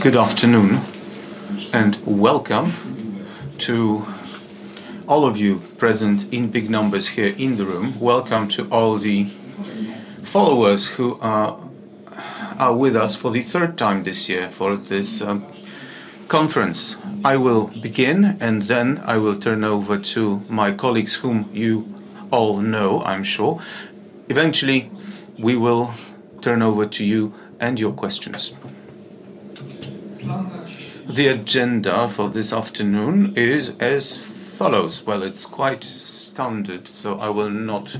Good afternoon and welcome to all of you present in big numbers here in the room. Welcome to all the followers who are with us for the third time this year for this conference. I will begin, and then I will turn over to my colleagues whom you all know, I'm sure. Eventually, we will turn over to you and your questions. The agenda for this afternoon is as follows. It is quite standard, so I will not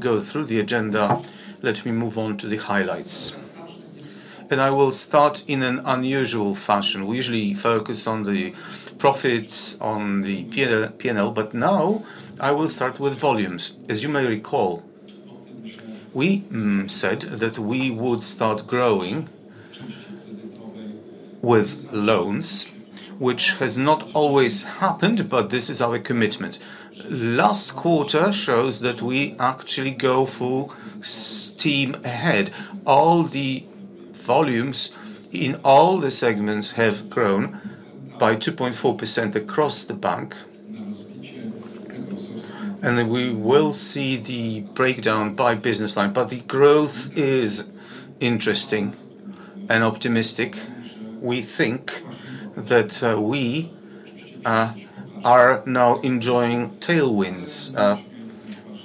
go through the agenda. Let me move on to the highlights. I will start in an unusual fashion. We usually focus on the profits, on the P&L, but now I will start with volumes. As you may recall, we said that we would start growing with loans, which has not always happened, but this is our commitment. Last quarter shows that we actually go full steam ahead. All the volumes in all the segments have grown by 2.4% across the bank. We will see the breakdown by business line. The growth is interesting and optimistic, we think. We are now enjoying tailwinds.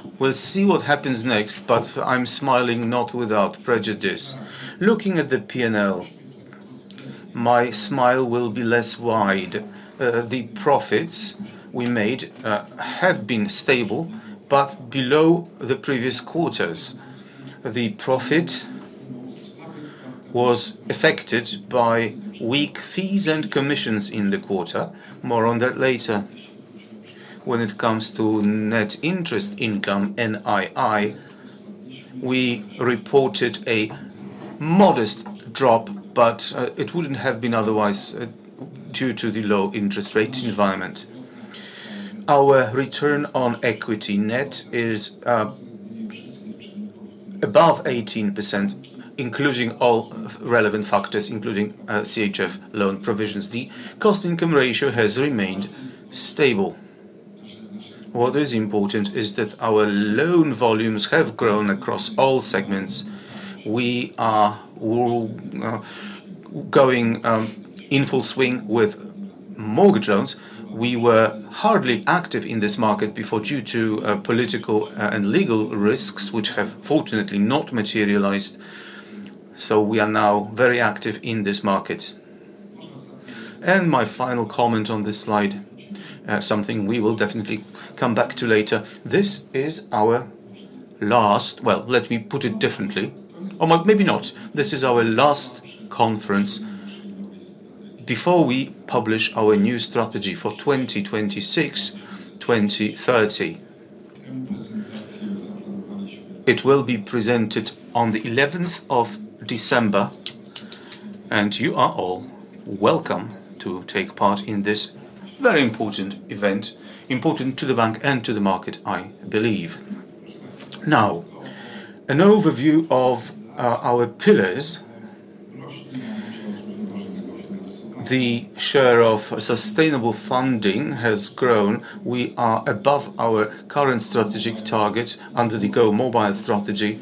We will see what happens next, but I am smiling not without prejudice. Looking at the P&L, my smile will be less wide. The profits we made have been stable, but below the previous quarters. The profit was affected by weak fees and commissions in the quarter. More on that later. When it comes to net interest income, NII, we reported a modest drop, but it would not have been otherwise due to the low interest rate environment. Our return on equity net is above 18%, including all relevant factors, including CHF loan provisions. The cost-income ratio has remained stable. What is important is that our loan volumes have grown across all segments. We are. Going in full swing with mortgage loans. We were hardly active in this market before due to political and legal risks, which have fortunately not materialized. We are now very active in this market. My final comment on this slide, something we will definitely come back to later. This is our last—let me put it differently—or maybe not. This is our last conference before we publish our new strategy for 2026-2030. It will be presented on the 11th of December. You are all welcome to take part in this very important event, important to the bank and to the market, I believe. Now, an overview of our pillars. The share of sustainable funding has grown. We are above our current strategic target under the Go Mobile strategy,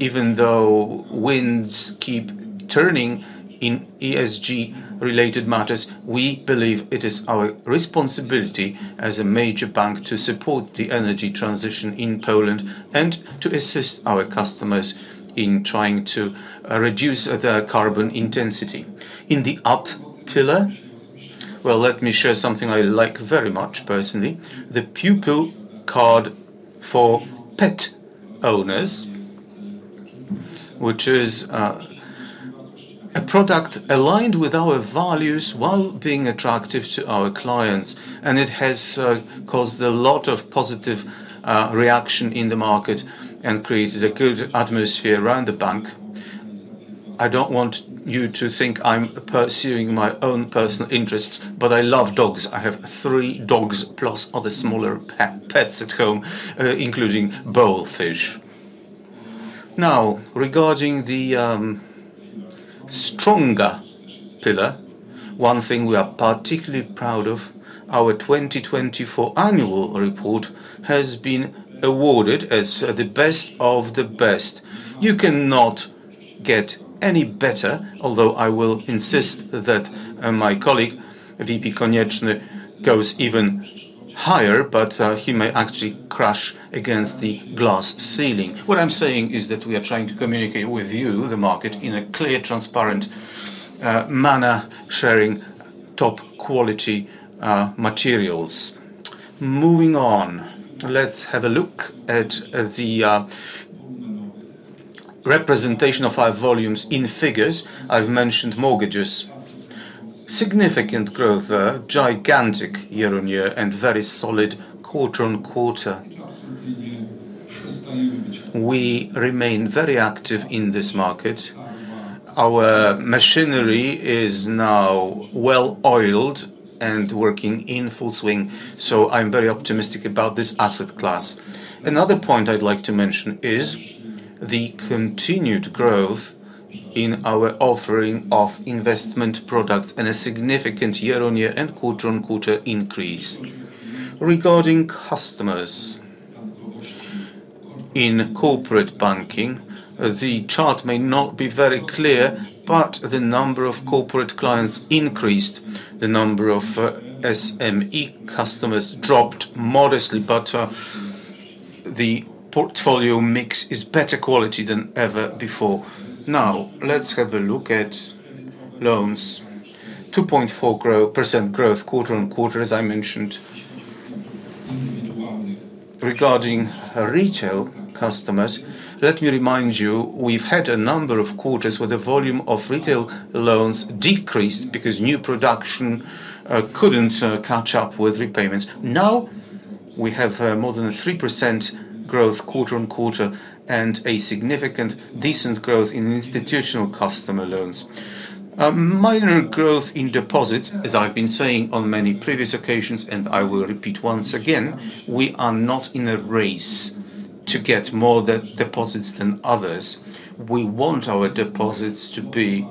even though. Winds keep turning in ESG-related matters. We believe it is our responsibility as a major bank to support the energy transition in Poland and to assist our customers in trying to reduce their carbon intensity. In the up pillar, let me share something I like very much personally, the pupil card for pet owners, which is a product aligned with our values while being attractive to our clients. It has caused a lot of positive reaction in the market and created a good atmosphere around the bank. I do not want you to think I am pursuing my own personal interests, but I love dogs. I have three dogs plus other smaller pets at home, including bowlfish. Now, regarding the stronger pillar, one thing we are particularly proud of, our 2024 annual report has been awarded as the best of the best. You cannot get any better, although I will insist that my colleague, VP Konieczny, goes even higher, but he may actually crash against the glass ceiling. What I'm saying is that we are trying to communicate with you, the market, in a clear, transparent manner, sharing top-quality materials. Moving on, let's have a look at the representation of our volumes in figures. I've mentioned mortgages. Significant growth there, gigantic year on year, and very solid quarter on quarter. We remain very active in this market. Our machinery is now well-oiled and working in full swing, so I'm very optimistic about this asset class. Another point I'd like to mention is the continued growth in our offering of investment products and a significant year-on-year and quarter-on-quarter increase. Regarding customers, in corporate banking, the chart may not be very clear, but the number of corporate clients increased. The number of. SME customers dropped modestly, but the portfolio mix is better quality than ever before. Now, let's have a look at loans. 2.4% growth quarter on quarter, as I mentioned. Regarding retail customers, let me remind you, we've had a number of quarters where the volume of retail loans decreased because new production could not catch up with repayments. Now, we have more than a 3% growth quarter on quarter and a significant, decent growth in institutional customer loans. Minor growth in deposits, as I've been saying on many previous occasions, and I will repeat once again, we are not in a race to get more deposits than others. We want our deposits to be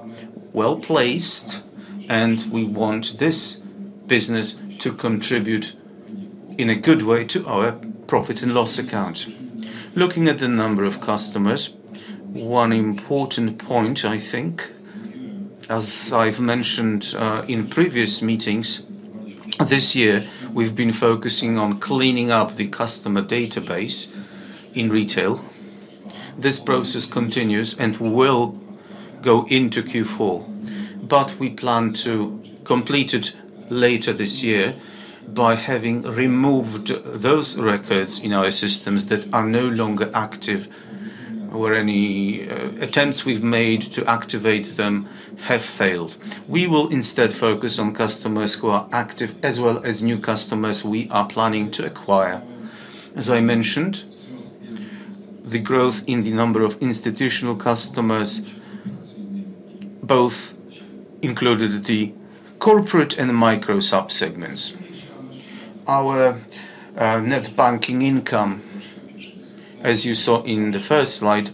well-placed, and we want this business to contribute in a good way to our profit and loss account. Looking at the number of customers, one important point, I think. As I've mentioned in previous meetings, this year we've been focusing on cleaning up the customer database in retail. This process continues and will go into Q4, but we plan to complete it later this year by having removed those records in our systems that are no longer active. Where any attempts we've made to activate them have failed, we will instead focus on customers who are active as well as new customers we are planning to acquire. As I mentioned, the growth in the number of institutional customers, both included the corporate and micro sub-segments. Our net banking income, as you saw in the first slide,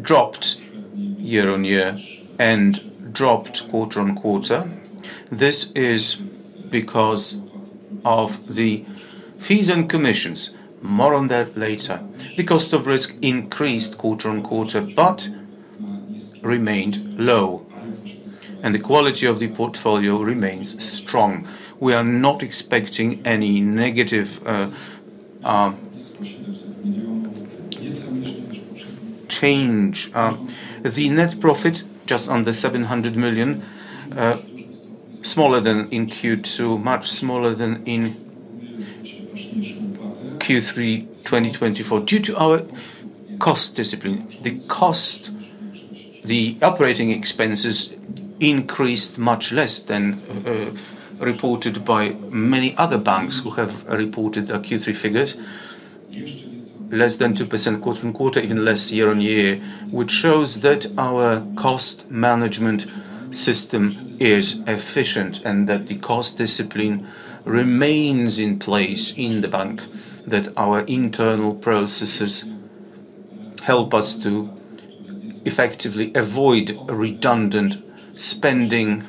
dropped year on year and dropped quarter on quarter. This is because of the fees and commissions. More on that later. The cost of risk increased quarter on quarter, but remained low, and the quality of the portfolio remains strong. We are not expecting any negative change. The net profit, just under 700 million. Smaller than in Q2, much smaller than in Q3 2024. Due to our cost discipline, the operating expenses increased much less than reported by many other banks who have reported Q3 figures. Less than 2% quarter on quarter, even less year on year, which shows that our cost management system is efficient and that the cost discipline remains in place in the bank, that our internal processes help us to effectively avoid redundant spending.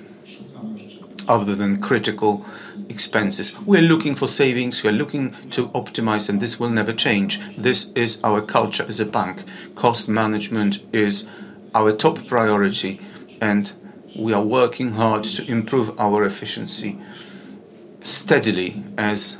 Other than critical expenses, we're looking for savings. We're looking to optimize, and this will never change. This is our culture as a bank. Cost management is our top priority, and we are working hard to improve our efficiency steadily, as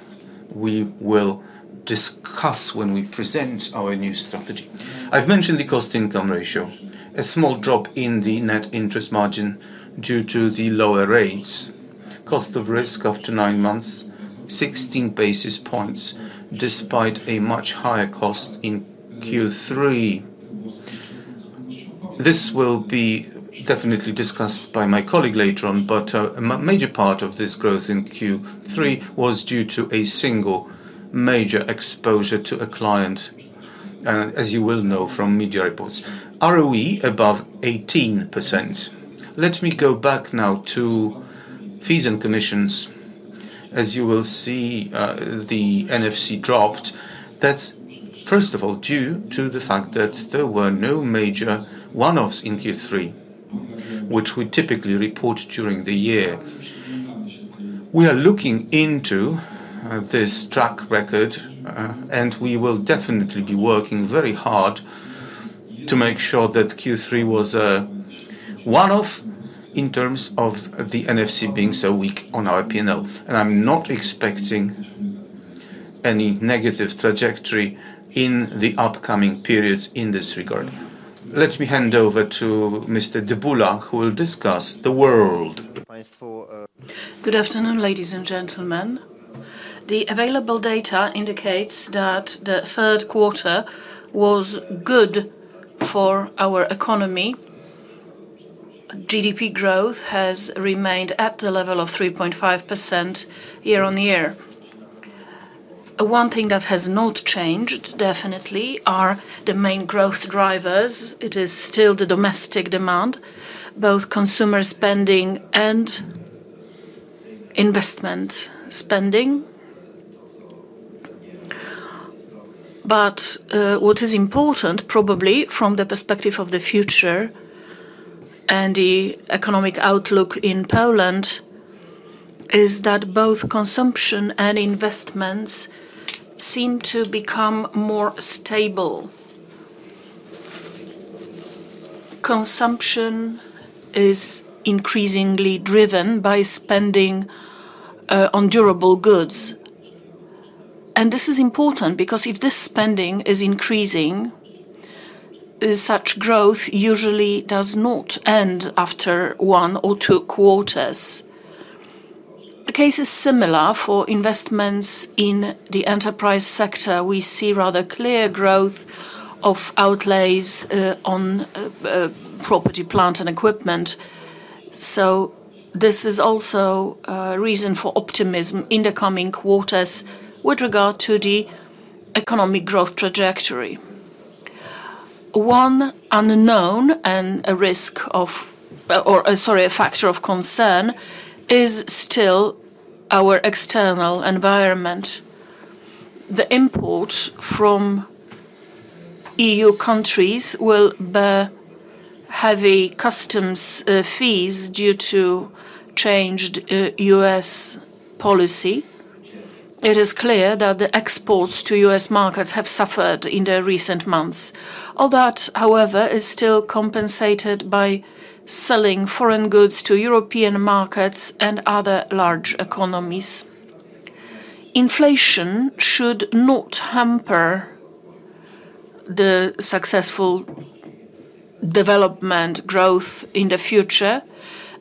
we will discuss when we present our new strategy. I've mentioned the cost-income ratio, a small drop in the net interest margin due to the lower rates, cost of risk after nine months, 16 basis points, despite a much higher cost in Q3. This will be definitely discussed by my colleague later on, but a major part of this growth in Q3 was due to a single major exposure to a client. As you will know from media reports, ROE above 18%. Let me go back now to fees and commissions. As you will see, the NFC dropped. That's, first of all, due to the fact that there were no major one-offs in Q3, which we typically report during the year. We are looking into this track record. We will definitely be working very hard to make sure that Q3 was one-off in terms of the NFC being so weak on our P&L. I'm not expecting. Any negative trajectory in the upcoming periods in this regard. Let me hand over to Mr. Dybuła, who will discuss the world. Państwu. Good afternoon, ladies and gentlemen. The available data indicates that the third quarter was good for our economy. GDP growth has remained at the level of 3.5% year-on-year. One thing that has not changed, definitely, are the main growth drivers. It is still the domestic demand, both consumer spending and investment spending. What is important, probably from the perspective of the future and the economic outlook in Poland, is that both consumption and investments seem to become more stable. Consumption is increasingly driven by spending on durable goods. This is important because if this spending is increasing, such growth usually does not end after one or two quarters. The case is similar for investments in the enterprise sector. We see rather clear growth of outlays on property, plant, and equipment. This is also a reason for optimism in the coming quarters with regard to the economic growth trajectory. One unknown and a factor of concern is still our external environment. The import from EU countries will bear heavy customs fees due to changed US policy. It is clear that the exports to US markets have suffered in the recent months. All that, however, is still compensated by selling foreign goods to European markets and other large economies. Inflation should not hamper the successful development growth in the future.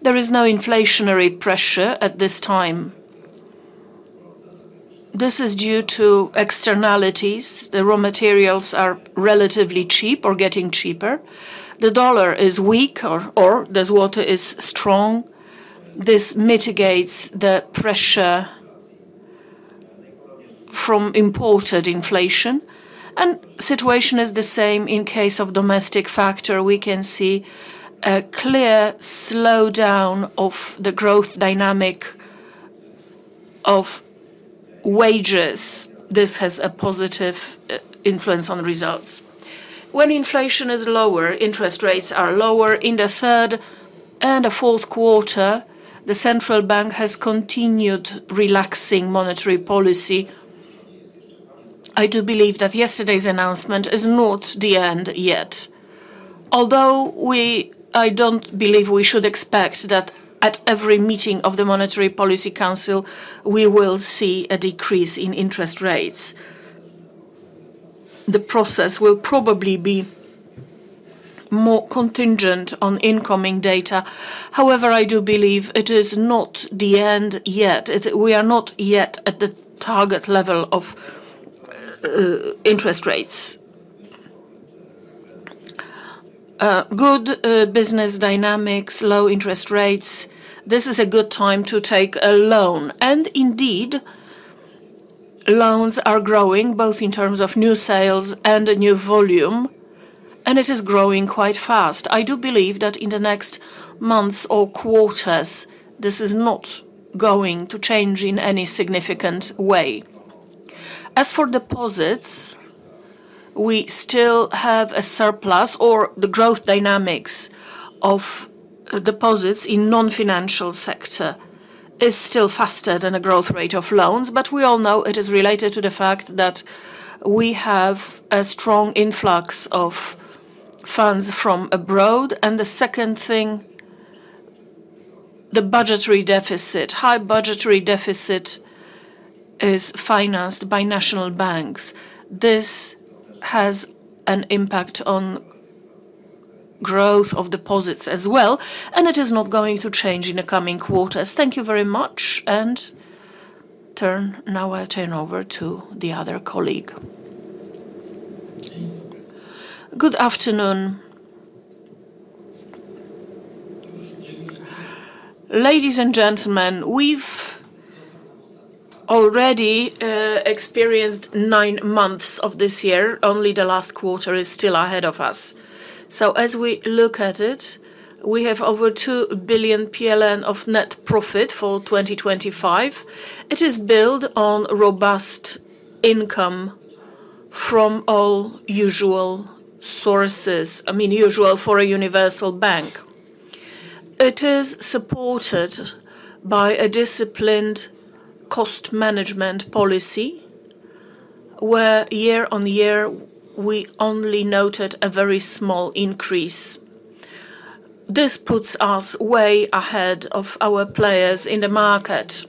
There is no inflationary pressure at this time. This is due to externalities. The raw materials are relatively cheap or getting cheaper. The dollar is weaker, or the złoty is strong. This mitigates the pressure from imported inflation. The situation is the same in the case of the domestic factor. We can see a clear slowdown of the growth dynamic of wages. This has a positive influence on results. When inflation is lower, interest rates are lower in the third and the fourth quarter. The central bank has continued relaxing monetary policy. I do believe that yesterday's announcement is not the end yet. Although I do not believe we should expect that at every meeting of the Monetary Policy Council, we will see a decrease in interest rates. The process will probably be more contingent on incoming data. However, I do believe it is not the end yet. We are not yet at the target level of interest rates. Good business dynamics, low interest rates. This is a good time to take a loan. And indeed. Loans are growing, both in terms of new sales and new volume, and it is growing quite fast. I do believe that in the next months or quarters, this is not going to change in any significant way. As for deposits, we still have a surplus, or the growth dynamics of deposits in the non-financial sector is still faster than the growth rate of loans, but we all know it is related to the fact that we have a strong influx of funds from abroad. The second thing, the budgetary deficit, high budgetary deficit, is financed by national banks. This has an impact on growth of deposits as well, and it is not going to change in the coming quarters. Thank you very much, and now I turn over to the other colleague. Good afternoon, ladies and gentlemen, we've already experienced nine months of this year. Only the last quarter is still ahead of us. As we look at it, we have over 2 billion PLN of net profit for 2025. It is built on robust income from all usual sources, I mean usual for a universal bank. It is supported by a disciplined cost management policy, where year on year, we only noted a very small increase. This puts us way ahead of our players in the market.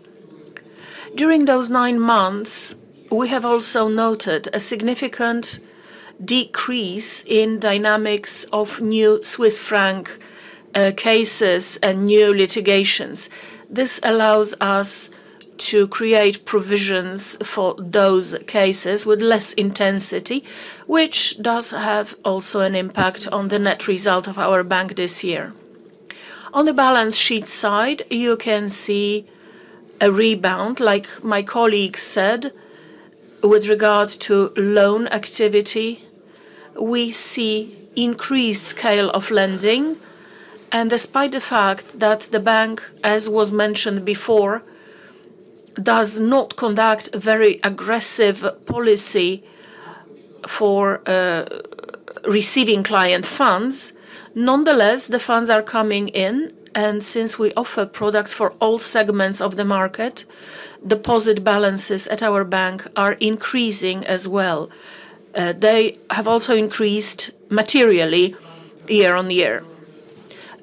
During those nine months, we have also noted a significant decrease in dynamics of new Swiss franc cases and new litigations. This allows us to create provisions for those cases with less intensity, which does have also an impact on the net result of our bank this year. On the balance sheet side, you can see a rebound, like my colleagues said, with regard to loan activity. We see an increased scale of lending, and despite the fact that the bank, as was mentioned before, does not conduct very aggressive policy. For receiving client funds, nonetheless, the funds are coming in. Since we offer products for all segments of the market, deposit balances at our bank are increasing as well. They have also increased materially year on year.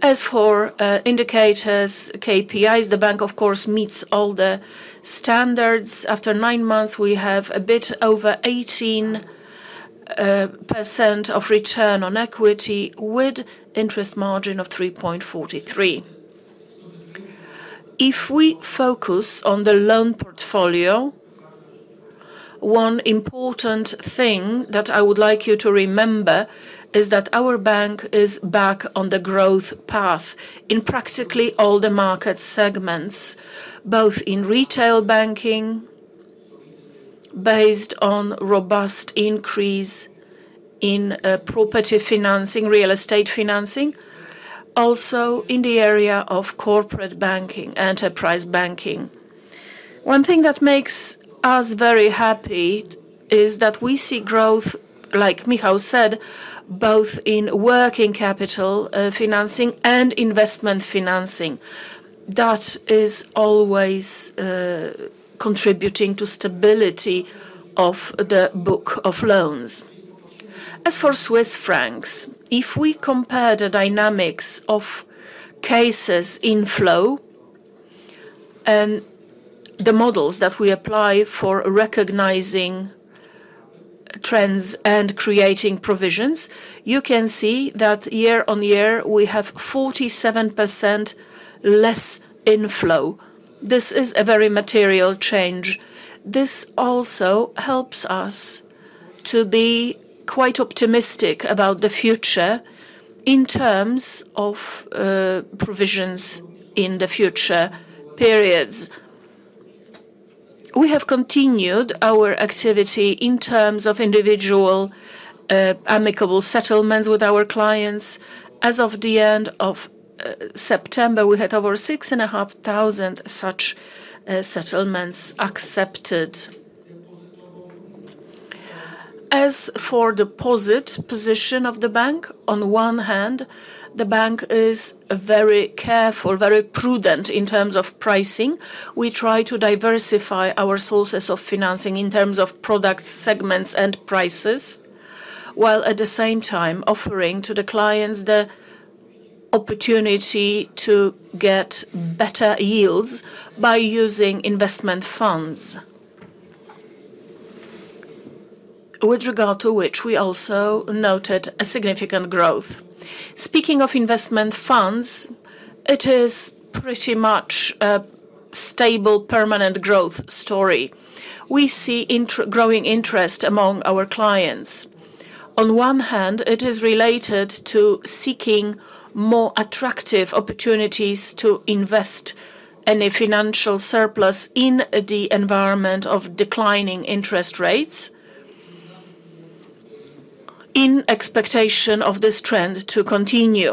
As for indicators, KPIs, the bank, of course, meets all the standards. After nine months, we have a bit over 18% of return on equity with an interest margin of 3.43. If we focus on the loan portfolio, one important thing that I would like you to remember is that our bank is back on the growth path in practically all the market segments, both in retail banking, based on robust increase in property financing, real estate financing. Also in the area of corporate banking, enterprise banking. One thing that makes us very happy is that we see growth, like Michal said, both in working capital financing and investment financing. That is always contributing to the stability of the book of loans. As for Swiss francs, if we compare the dynamics of cases in flow and the models that we apply for recognizing trends and creating provisions, you can see that year on year, we have 47% less inflow. This is a very material change. This also helps us to be quite optimistic about the future in terms of provisions in the future periods. We have continued our activity in terms of individual amicable settlements with our clients. As of the end of September, we had over 6,500 such settlements accepted. As for the deposit position of the bank, on one hand, the bank is very careful, very prudent in terms of pricing. We try to diversify our sources of financing in terms of product segments and prices, while at the same time offering to the clients the opportunity to get better yields by using investment funds. With regard to which we also noted a significant growth. Speaking of investment funds, it is pretty much a stable, permanent growth story. We see growing interest among our clients. On one hand, it is related to seeking more attractive opportunities to invest any financial surplus in the environment of declining interest rates, in expectation of this trend to continue.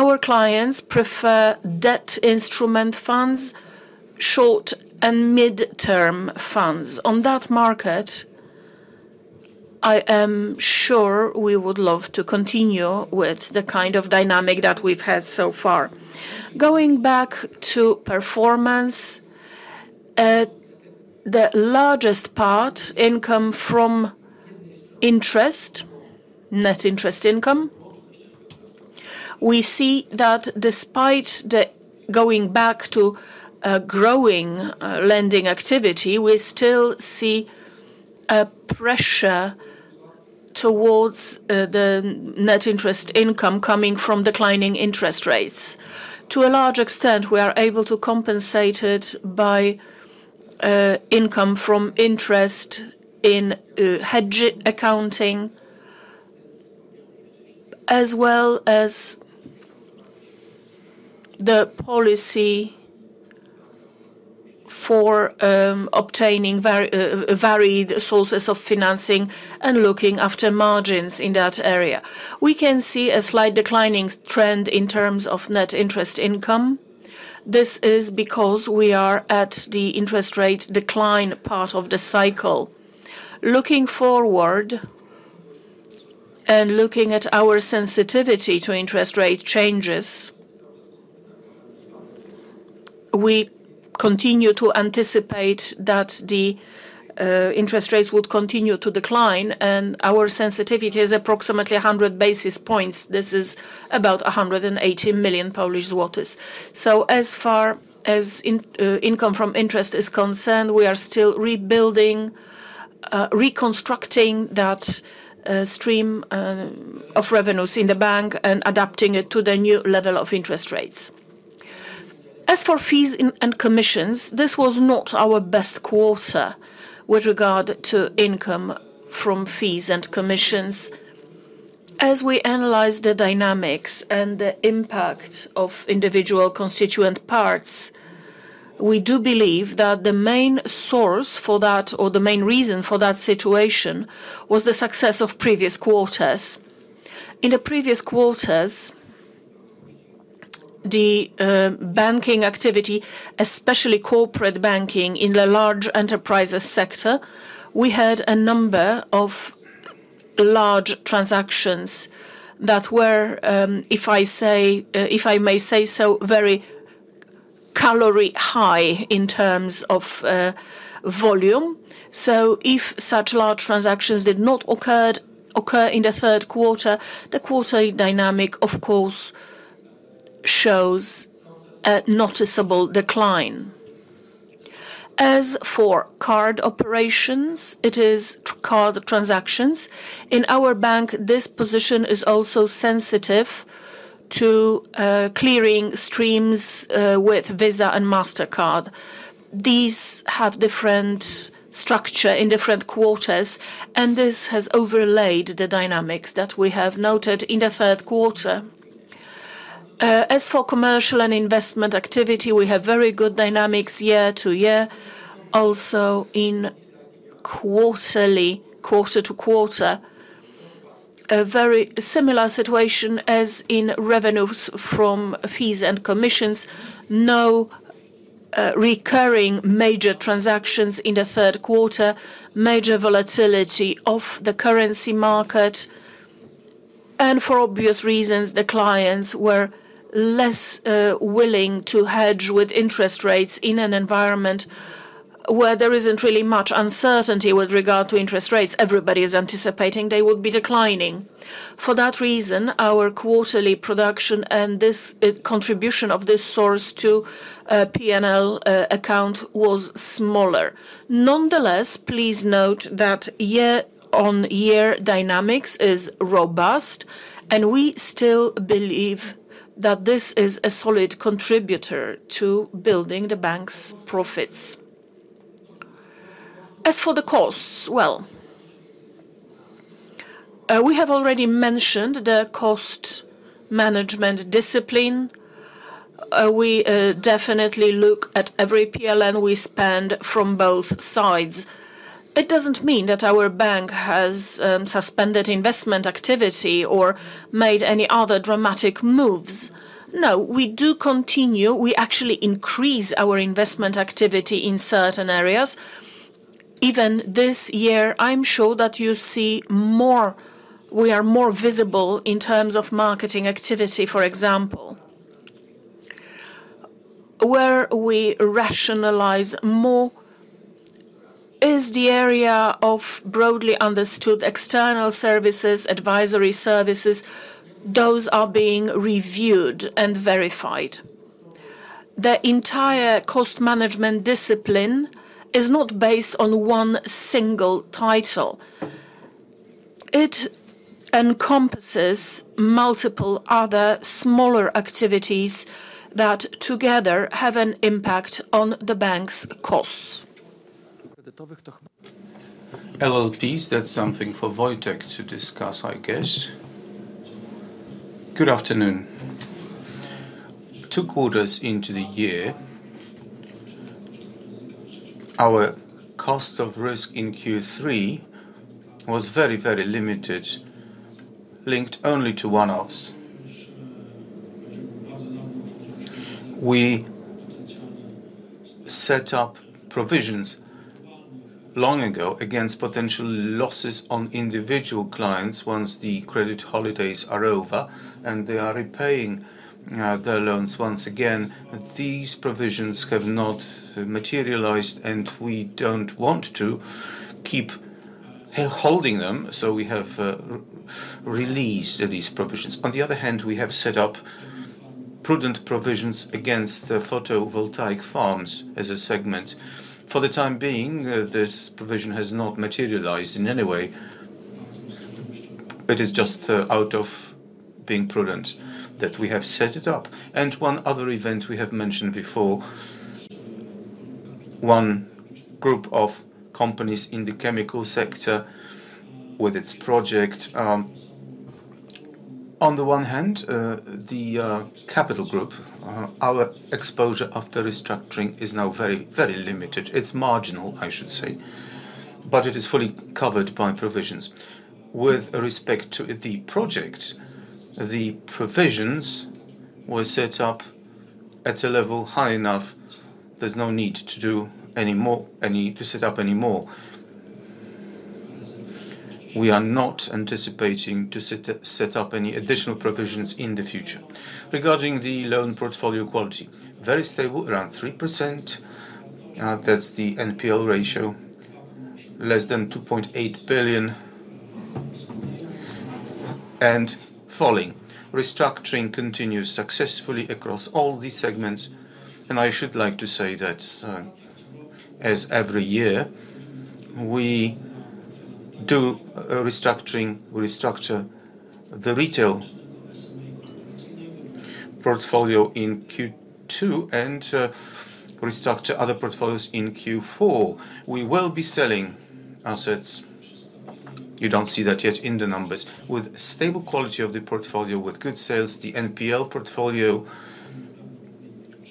Our clients prefer debt instrument funds, short and mid-term funds on that market. I am sure we would love to continue with the kind of dynamic that we've had so far. Going back to performance, the largest part income from interest, net interest income. We see that despite the going back to. Growing lending activity, we still see. A pressure. Towards the net interest income coming from declining interest rates. To a large extent, we are able to compensate it by. Income from interest in. Hedge accounting. As well as. The policy. For. Obtaining. Varied sources of financing and looking after margins in that area. We can see a slight declining trend in terms of net interest income. This is because we are at the interest rate decline part of the cycle. Looking forward. And looking at our sensitivity to interest rate changes. We continue to anticipate that the. Interest rates would continue to decline, and our sensitivity is approximately 100 basis points. This is about 180 million Polish zlotys. As far as. Income from interest is concerned, we are still rebuilding. Reconstructing that. Stream. Of revenues in the bank and adapting it to the new level of interest rates. As for fees and commissions, this was not our best quarter with regard to income from fees and commissions. As we analyze the dynamics and the impact of individual constituent parts, we do believe that the main source for that, or the main reason for that situation, was the success of previous quarters. In the previous quarters, the banking activity, especially corporate banking in the large enterprises sector, we had a number of large transactions that were, if I may say so, very calorie high in terms of volume. If such large transactions did not occur in the third quarter, the quarterly dynamic, of course, shows a noticeable decline. As for card operations, it is card transactions. In our bank, this position is also sensitive to clearing streams with Visa and MasterCard. These have different. Structures in different quarters, and this has overlaid the dynamics that we have noted in the third quarter. As for commercial and investment activity, we have very good dynamics year to year. Also in quarter to quarter. A very similar situation as in revenues from fees and commissions. No recurring major transactions in the third quarter, major volatility of the currency market. For obvious reasons, the clients were less willing to hedge with interest rates in an environment where there is not really much uncertainty with regard to interest rates. Everybody is anticipating they would be declining. For that reason, our quarterly production and this contribution of this source to P&L account was smaller. Nonetheless, please note that year-on-year dynamics is robust, and we still believe that this is a solid contributor to building the bank's profits. As for the costs, we have already mentioned the cost management discipline. We definitely look at every PLN we spend from both sides. It does not mean that our bank has suspended investment activity or made any other dramatic moves. No, we do continue. We actually increase our investment activity in certain areas. Even this year, I am sure that you see more. We are more visible in terms of marketing activity, for example. Where we rationalize more is the area of broadly understood external services, advisory services. Those are being reviewed and verified. The entire cost management discipline is not based on one single title. It encompasses multiple other smaller activities that together have an impact on the bank's costs. LLPs, that is something for Wojciech to discuss, I guess. Good afternoon. Two quarters into the year, our cost of risk in Q3 was very, very limited. Linked only to one of. We set up provisions. Long ago against potential losses on individual clients once the credit holidays are over and they are repaying their loans once again. These provisions have not materialized, and we do not want to keep holding them, so we have released these provisions. On the other hand, we have set up prudent provisions against the photovoltaic farms as a segment. For the time being, this provision has not materialized in any way. It is just out of being prudent that we have set it up. One other event we have mentioned before, one group of companies in the chemical sector with its project. On the one hand, the capital group, our exposure after restructuring is now very, very limited. It is marginal, I should say, but it is fully covered by provisions. With respect to the project, the provisions were set up. At a level high enough, there is no need to set up any more. We are not anticipating to set up any additional provisions in the future. Regarding the loan portfolio quality, very stable, around 3%. That is the NPL ratio. Less than 2.8 billion and falling. Restructuring continues successfully across all the segments. I should like to say that, as every year, we do restructure the retail portfolio in Q2 and restructure other portfolios in Q4. We will be selling assets. You do not see that yet in the numbers. With stable quality of the portfolio, with good sales, the NPL portfolio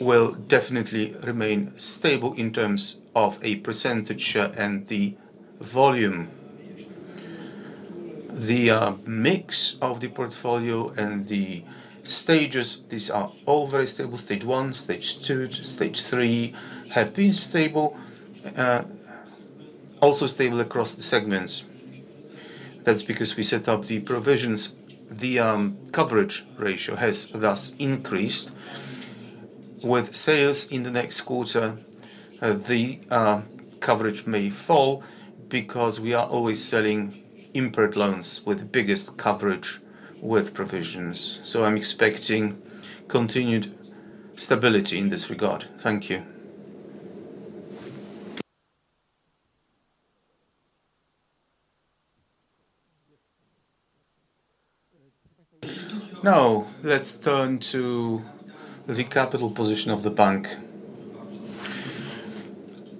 will definitely remain stable in terms of a percentage and the volume. The mix of the portfolio and the stages, these are all very stable. Stage one, stage two, stage three have been stable. Also stable across the segments. That is because we set up the provisions. The coverage ratio has thus increased. With sales in the next quarter, the coverage may fall because we are always selling impaired loans with the biggest coverage with provisions. I am expecting continued stability in this regard. Thank you. Now, let's turn to the capital position of the bank.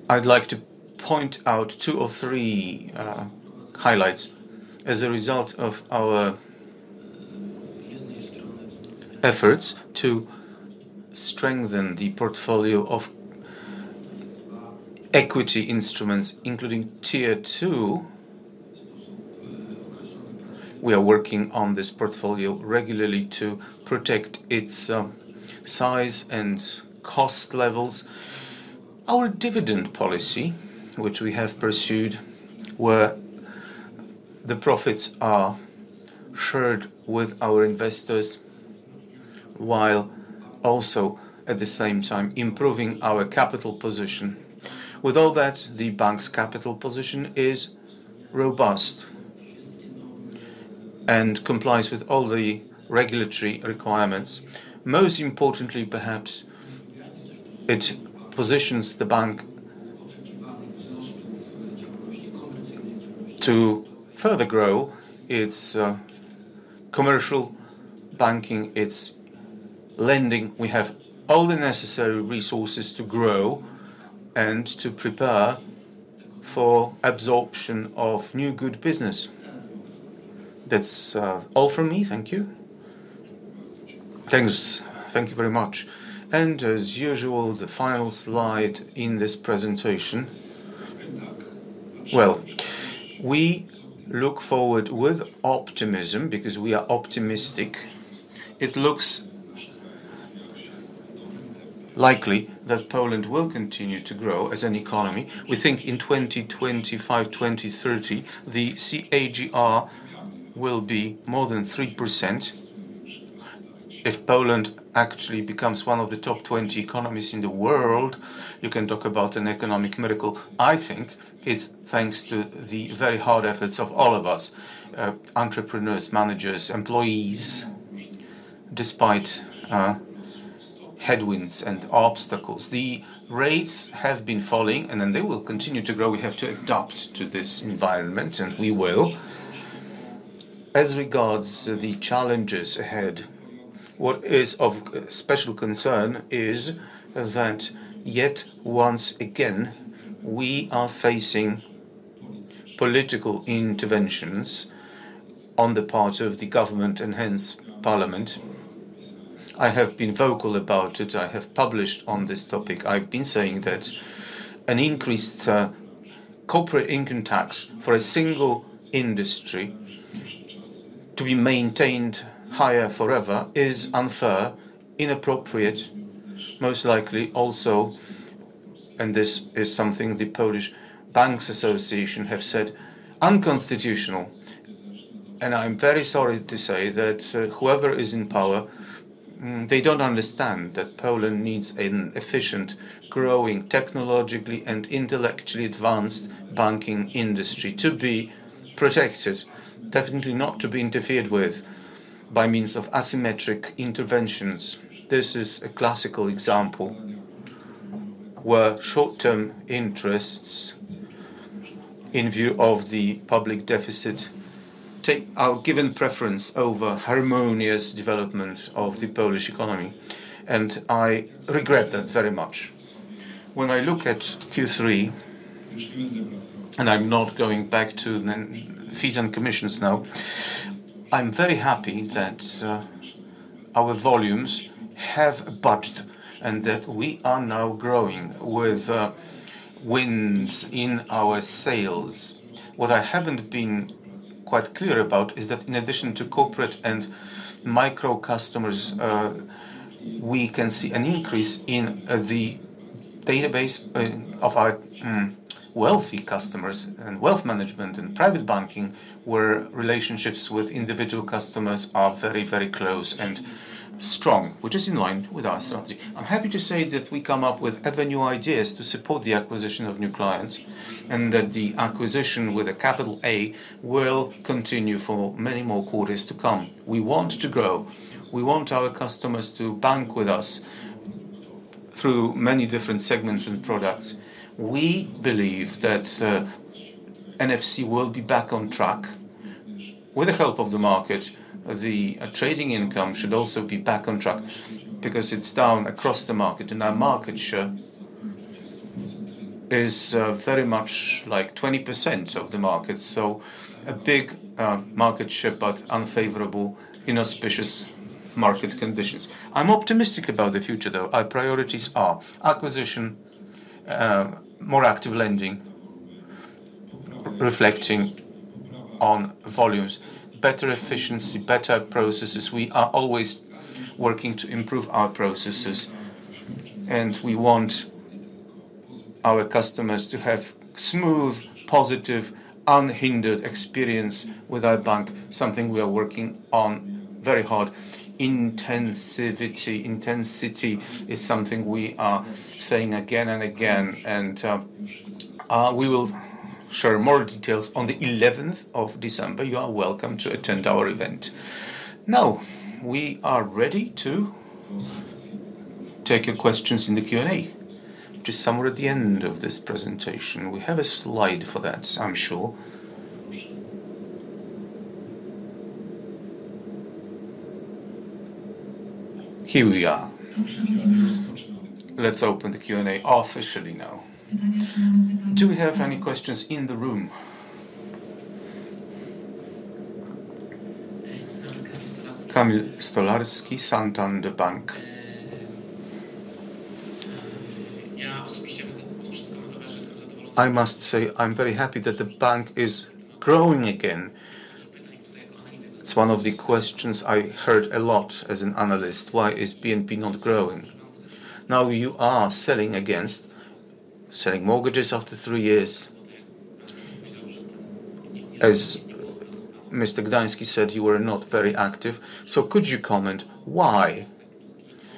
I would like to point out two or three highlights as a result of our efforts to strengthen the portfolio of equity instruments, including tier two. We are working on this portfolio regularly to protect its size and cost levels. Our dividend policy, which we have pursued, where the profits are shared with our investors while also at the same time improving our capital position. With all that, the bank's capital position is robust and complies with all the regulatory requirements. Most importantly, perhaps, it positions the bank to further grow its commercial banking, its lending. We have all the necessary resources to grow and to prepare for absorption of new good business. That is all from me. Thank you. Thank you very much. As usual, the final slide in this presentation. We look forward with optimism because we are optimistic. It looks likely that Poland will continue to grow as an economy. We think in 2025, 2030, the CAGR will be more than 3%. If Poland actually becomes one of the top 20 economies in the world, you can talk about an economic miracle. I think it is thanks to the very hard efforts of all of us: entrepreneurs, managers, employees. Despite headwinds and obstacles, the rates have been falling, and then they will continue to grow. We have to adapt to this environment, and we will. As regards the challenges ahead, what is of special concern is that yet once again we are facing. Political interventions. On the part of the government and hence parliament. I have been vocal about it. I have published on this topic. I've been saying that an increased corporate income tax for a single industry to be maintained higher forever is unfair, inappropriate, most likely also, and this is something the Polish Banks Association have said, unconstitutional. I'm very sorry to say that whoever is in power, they don't understand that Poland needs an efficient, growing, technologically and intellectually advanced banking industry to be protected, definitely not to be interfered with by means of asymmetric interventions. This is a classical example where short-term interests in view of the public deficit are given preference over harmonious development of the Polish economy. I regret that very much. When I look at Q3, and I'm not going back to the fees and commissions now, I'm very happy that. Our volumes have budged and that we are now growing with wins in our sales. What I haven't been quite clear about is that in addition to corporate and micro customers, we can see an increase in the database of our wealthy customers and wealth management and private banking, where relationships with individual customers are very, very close and strong, which is in line with our strategy. I'm happy to say that we come up with avenue ideas to support the acquisition of new clients and that the acquisition with a capital A will continue for many more quarters to come. We want to grow. We want our customers to bank with us through many different segments and products. We believe that NFC will be back on track. With the help of the market, the trading income should also be back on track because it's down across the market. Our market share is very much like 20% of the market. A big market share, but unfavorable, inauspicious market conditions. I'm optimistic about the future, though. Our priorities are acquisition, more active lending, reflecting on volumes, better efficiency, better processes. We are always working to improve our processes. We want our customers to have a smooth, positive, unhindered experience with our bank, something we are working on very hard. Intensity is something we are saying again and again. We will share more details on the 11th of December. You are welcome to attend our event. Now, we are ready to take your questions in the Q&A. Somewhere at the end of this presentation, we have a slide for that, I'm sure. Here we are. Let's open the Q&A officially now. Do we have any questions in the room? Kamil Stolarski, Santander Bank. I must say I'm very happy that the bank is growing again. It's one of the questions I heard a lot as an analyst. Why is BNP not growing? Now you are selling again. Selling mortgages after three years. As Mr. Gdański said, you were not very active. Could you comment why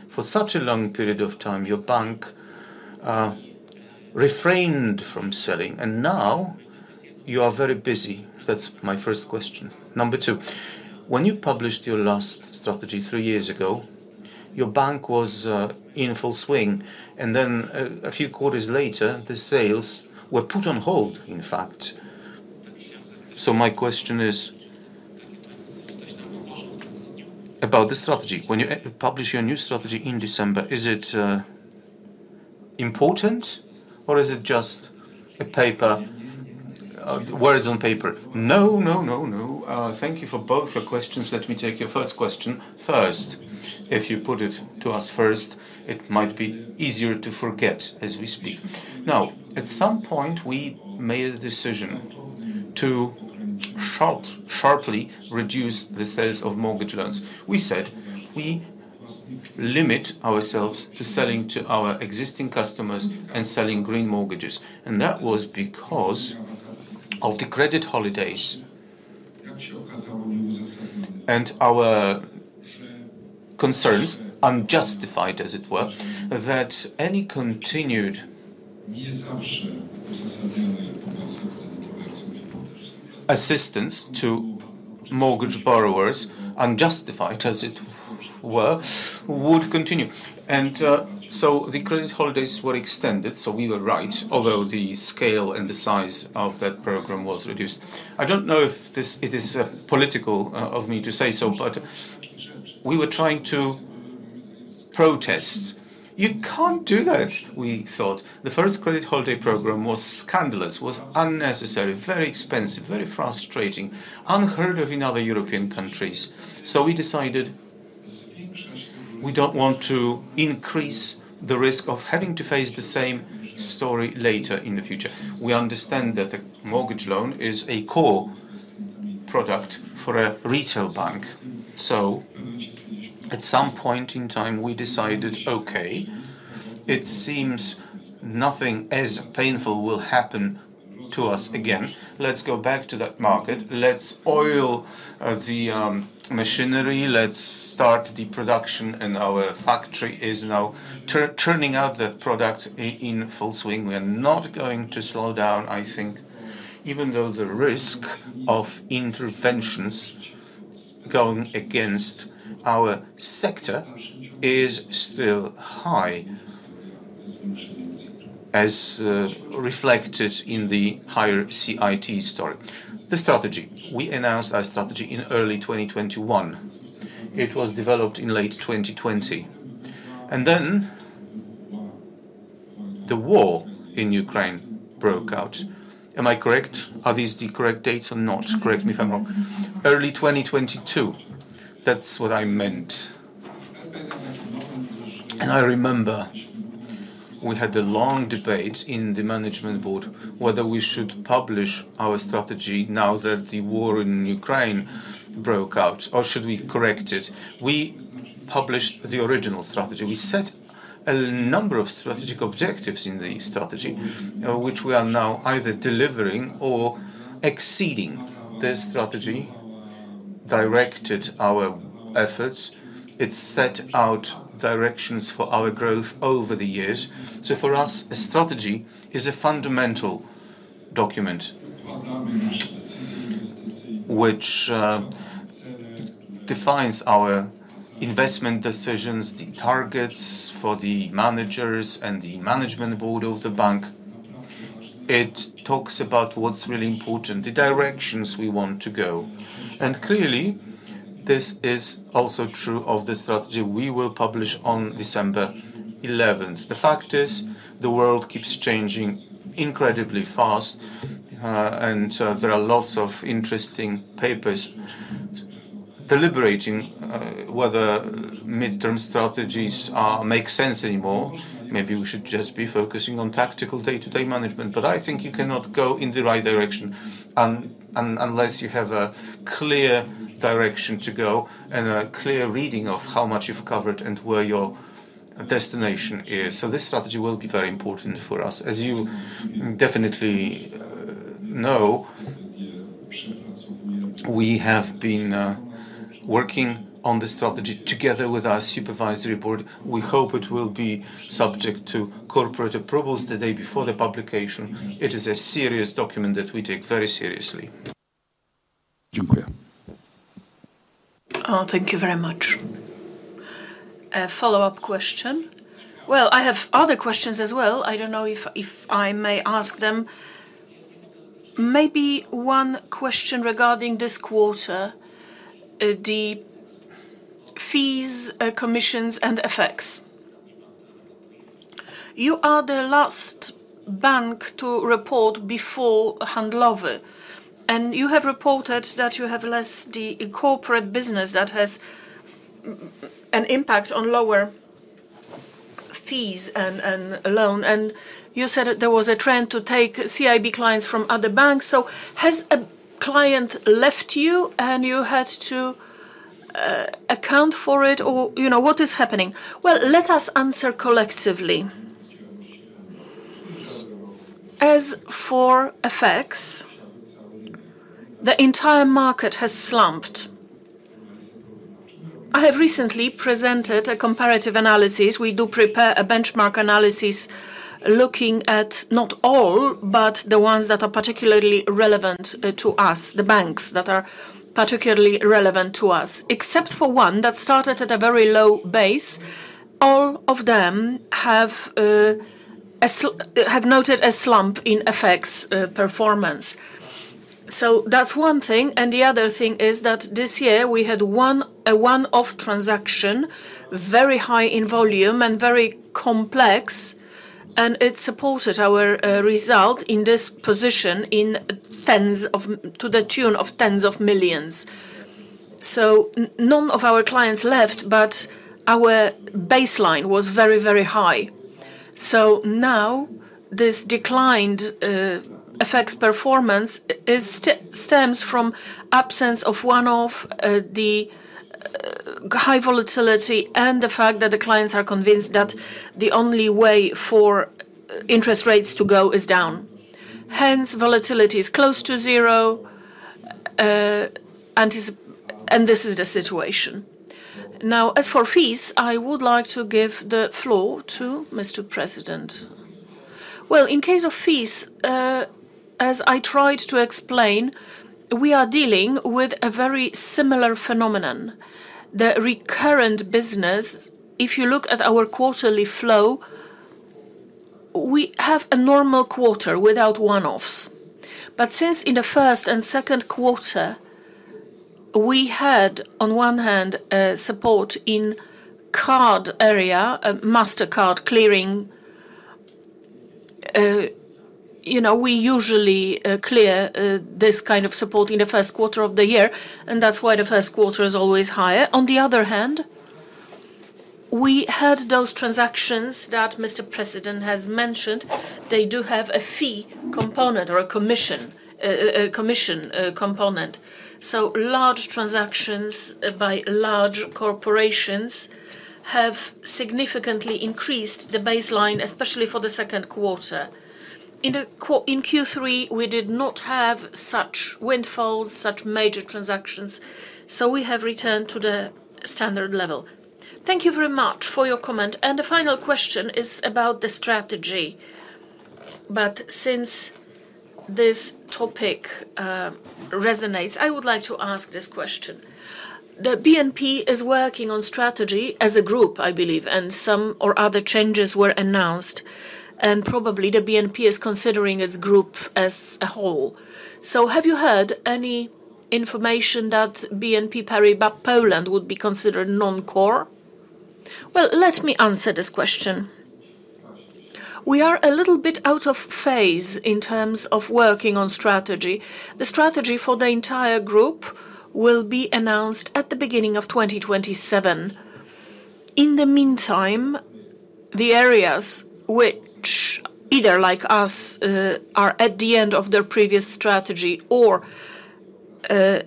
for such a long period of time your bank refrained from selling and now you are very busy? That's my first question. Number two, when you published your last strategy three years ago, your bank was in full swing. Then a few quarters later, the sales were put on hold, in fact. My question is about the strategy. When you publish your new strategy in December, is it important or is it just words on paper? No, no, no, no. Thank you for both your questions. Let me take your first question. First, if you put it to us first, it might be easier to forget as we speak. Now, at some point, we made a decision to sharply reduce the sales of mortgage loans. We said we limit ourselves to selling to our existing customers and selling green mortgages. That was because of the credit holidays and our concerns, unjustified as it were, that any continued assistance to mortgage borrowers, unjustified as it were, would continue. The credit holidays were extended. We were right, although the scale and the size of that program was reduced. I do not know if it is political of me to say so, but we were trying to protest. You cannot do that, we thought. The first credit holiday program was scandalous, was unnecessary, very expensive, very frustrating, unheard of in other European countries. We decided. We do not want to increase the risk of having to face the same story later in the future. We understand that a mortgage loan is a core product for a retail bank. At some point in time, we decided, okay, it seems nothing as painful will happen to us again. Let's go back to that market. Let's oil the machinery. Let's start the production. Our factory is now turning out that product in full swing. We are not going to slow down, I think, even though the risk of interventions going against our sector is still high, as reflected in the higher CIT story. The strategy. We announced our strategy in early 2021. It was developed in late 2020. The war in Ukraine broke out. Am I correct? Are these the correct dates or not? Correct me if I am wrong. Early 2022, that is what I meant. I remember. We had the long debate in the management board whether we should publish our strategy now that the war in Ukraine broke out, or should we correct it? We published the original strategy. We set a number of strategic objectives in the strategy, which we are now either delivering or exceeding. The strategy directed our efforts. It set out directions for our growth over the years. For us, a strategy is a fundamental document, which defines our investment decisions, the targets for the managers and the management board of the bank. It talks about what is really important, the directions we want to go. Clearly, this is also true of the strategy we will publish on December 11th. The fact is the world keeps changing incredibly fast. There are lots of interesting papers deliberating whether midterm strategies make sense anymore. Maybe we should just be focusing on tactical day-to-day management. I think you cannot go in the right direction unless you have a clear direction to go and a clear reading of how much you've covered and where your destination is. This strategy will be very important for us. As you definitely know, we have been working on the strategy together with our Supervisory Board. We hope it will be subject to corporate approvals the day before the publication. It is a serious document that we take very seriously. Thank you very much. Follow-up question. I have other questions as well. I don't know if I may ask them. Maybe one question regarding this quarter. The fees, commissions, and FX. You are the last bank to report before Handlowy and you have reported that you have less the corporate business that has an impact on lower. Fees and loan. You said there was a trend to take CIB clients from other banks. Has a client left you and you had to account for it? Or what is happening? Let us answer collectively. As for FX, the entire market has slumped. I have recently presented a comparative analysis. We do prepare a benchmark analysis looking at not all, but the ones that are particularly relevant to us, the banks that are particularly relevant to us. Except for one that started at a very low base, all of them have noted a slump in FX performance. That is one thing. The other thing is that this year we had a one-off transaction, very high in volume and very complex. It supported our result in this position to the tune of tens of millions. None of our clients left, but our baseline was very, very high. This declined. FX performance stems from absence of one-off, the high volatility, and the fact that the clients are convinced that the only way for interest rates to go is down. Hence, volatility is close to zero. This is the situation. As for fees, I would like to give the floor to Mr. President. In case of fees, as I tried to explain, we are dealing with a very similar phenomenon, the recurrent business. If you look at our quarterly flow, we have a normal quarter without one-offs. Since in the first and second quarter, we had, on one hand, support in card area, Mastercard clearing. We usually clear this kind of support in the first quarter of the year, and that is why the first quarter is always higher. On the other hand, we had those transactions that Mr. President has mentioned. They do have a fee component or a commission component. Large transactions by large corporations have significantly increased the baseline, especially for the second quarter. In Q3, we did not have such windfalls, such major transactions. We have returned to the standard level. Thank you very much for your comment. The final question is about the strategy. Since this topic resonates, I would like to ask this question. The BNP is working on strategy as a group, I believe, and some other changes were announced. Probably the BNP is considering its group as a whole. Have you heard any information that BNP Paribas Poland would be considered non-core? Let me answer this question. We are a little bit out of phase in terms of working on strategy. The strategy for the entire group will be announced at the beginning of 2027. In the meantime, the areas which, either like us, are at the end of their previous strategy or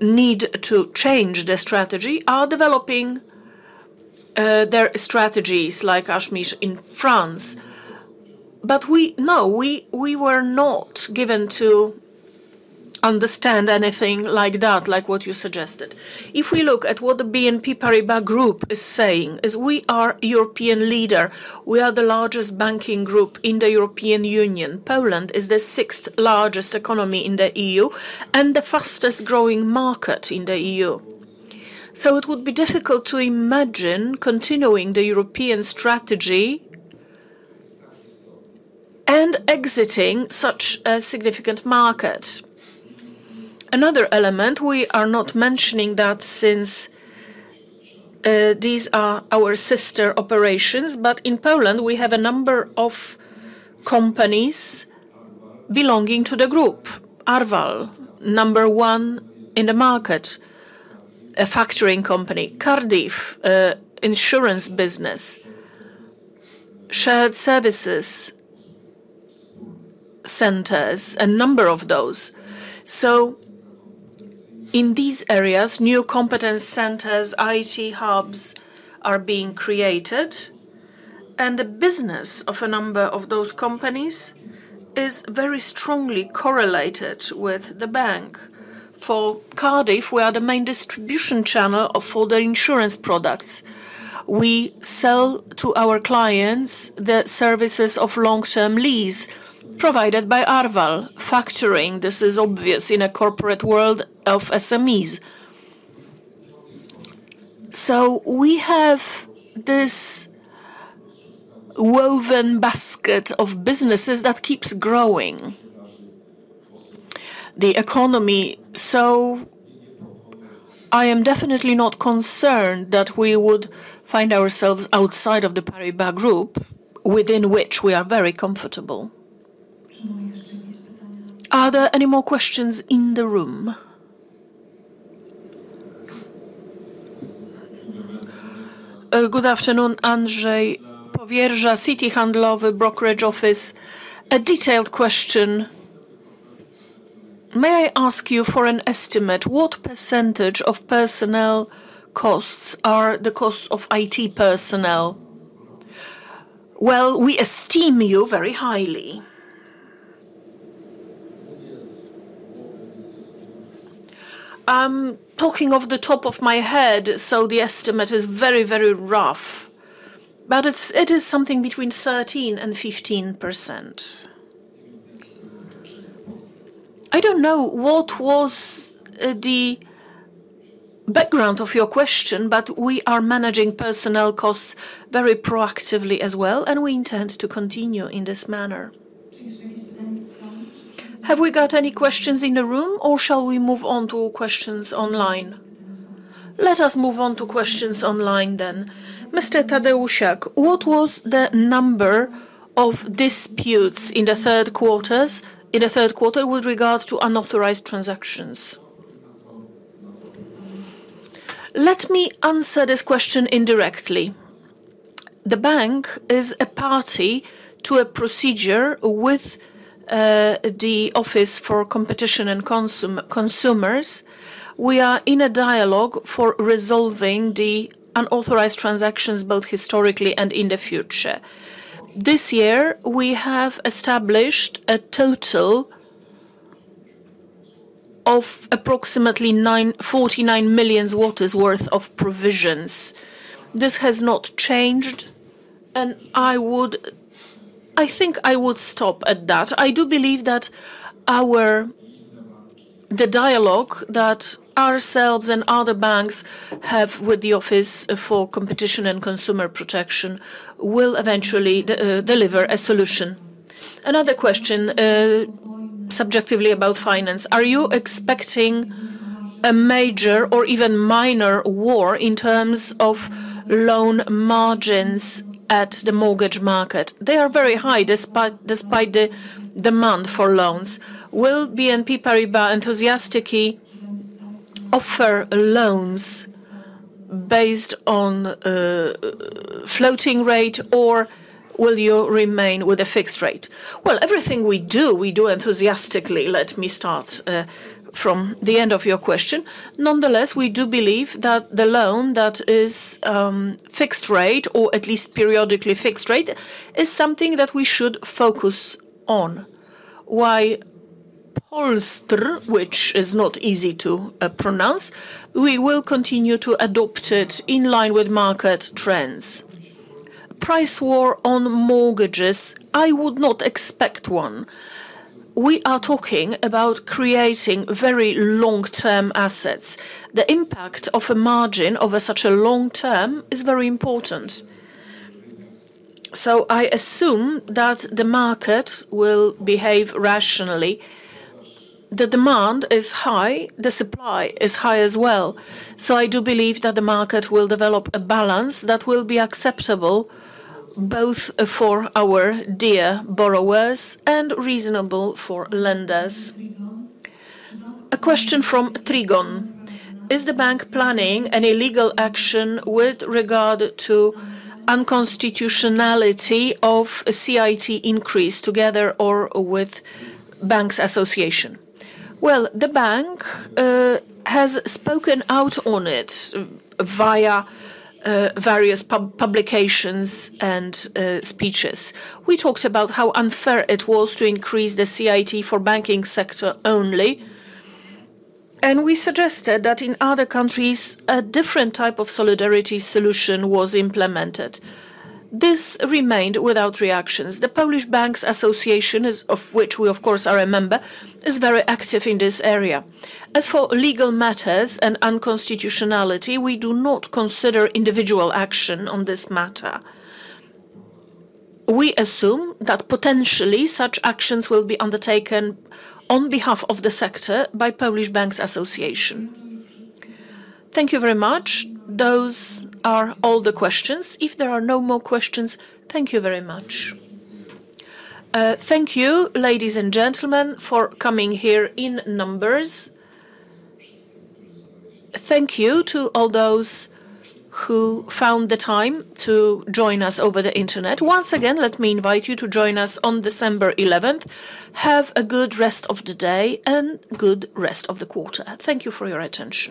need to change the strategy, are developing their strategies, like Ashmesh in France. We were not given to understand anything like that, like what you suggested. If we look at what the BNP Paribas Group is saying, we are a European leader. We are the largest banking group in the European Union. Poland is the sixth-largest economy in the EU and the fastest-growing market in the EU. It would be difficult to imagine continuing the European strategy and exiting such a significant market. Another element we are not mentioning is that since these are our sister operations, in Poland, we have a number of companies. Belonging to the group, Arval, number one in the market. A factoring company, Cardiff, insurance business. Shared services centers, a number of those. In these areas, new competence centers, IT hubs are being created. The business of a number of those companies is very strongly correlated with the bank. For Cardiff, we are the main distribution channel for the insurance products. We sell to our clients the services of long-term lease provided by Arval. Factoring, this is obvious in a corporate world of SMEs. We have this woven basket of businesses that keeps growing the economy. I am definitely not concerned that we would find ourselves outside of the Paribas Group, within which we are very comfortable. Are there any more questions in the room? Good afternoon, Andrzej Powierża, Citi Handlowy, Brokerage Office. A detailed question. May I ask you for an estimate? What percentage of personnel costs are the costs of IT personnel? I esteem you very highly. I'm talking off the top of my head, so the estimate is very, very rough. It is something between 13%-15%. I don't know what was the background of your question, but we are managing personnel costs very proactively as well, and we intend to continue in this manner. Have we got any questions in the room, or shall we move on to questions online? Let us move on to questions online then. Mr. Tadeuszak, what was the number of disputes in the third quarter with regard to unauthorized transactions? Let me answer this question indirectly. The bank is a party to a procedure with the Office for Competition and Consumers. We are in a dialogue for resolving the unauthorized transactions, both historically and in the future. This year, we have established a total of approximately 49 million worth of provisions. This has not changed. I think I would stop at that. I do believe that the dialogue that ourselves and other banks have with the Office for Competition and Consumer Protection will eventually deliver a solution. Another question, subjectively about finance. Are you expecting a major or even minor war in terms of loan margins at the mortgage market? They are very high despite the demand for loans. Will BNP Paribas enthusiastically offer loans based on floating rate, or will you remain with a fixed rate? Everything we do, we do enthusiastically. Let me start from the end of your question. Nonetheless, we do believe that the loan that is fixed rate or at least periodically fixed rate is something that we should focus on. While. Pollster, which is not easy to pronounce, we will continue to adopt it in line with market trends. Price war on mortgages, I would not expect one. We are talking about creating very long-term assets. The impact of a margin over such a long term is very important. I assume that the market will behave rationally. The demand is high, the supply is high as well. I do believe that the market will develop a balance that will be acceptable, both for our dear borrowers and reasonable for lenders. A question from Trigon. Is the bank planning any legal action with regard to unconstitutionality of CIT increase together or with Banks Association? The bank has spoken out on it via various publications and speeches. We talked about how unfair it was to increase the CIT for banking sector only. We suggested that in other countries, a different type of solidarity solution was implemented. This remained without reactions. The Polish Banks Association, of which we, of course, are a member, is very active in this area. As for legal matters and unconstitutionality, we do not consider individual action on this matter. We assume that potentially such actions will be undertaken on behalf of the sector by the Polish Banks Association. Thank you very much. Those are all the questions. If there are no more questions, thank you very much. Thank you, ladies and gentlemen, for coming here in numbers. Thank you to all those who found the time to join us over the internet. Once again, let me invite you to join us on December 11th. Have a good rest of the day and good rest of the quarter. Thank you for your attention.